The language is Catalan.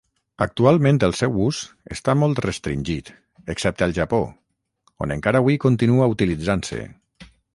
Actualment el seu ús està molt restringit, excepte al Japó, on encara hui continua utilitzant-se.